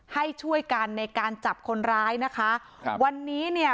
ให้ช่วยกันในการจับคนร้ายนะคะครับวันนี้เนี่ย